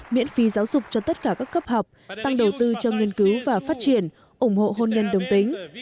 miễn phí giáo dục cho tất cả các cấp học tăng đầu tư cho nghiên cứu và phát triển ủng hộ hôn nhân đồng tính